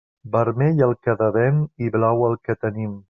Vermell el que devem i blau el que tenim.